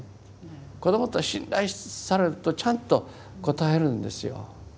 子どもって信頼されるとちゃんと応えるんですよ。